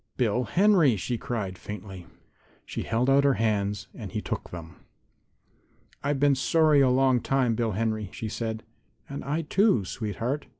"Bill Henry!" she cried, faintly. She held out her hands and he took them. "I've been sorry a long time, Bill Henry," she said. "And I, too, sweetheart."